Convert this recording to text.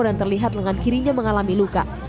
dan terlihat lengan kirinya mengalami luka